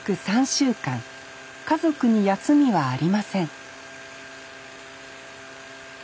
３週間家族に休みはありません